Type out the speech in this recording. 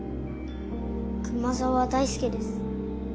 熊沢大輔です。